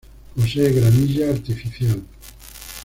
Posee gramilla artificial.